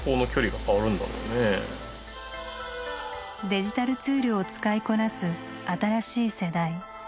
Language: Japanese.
デジタルツールを使いこなす新しい世代。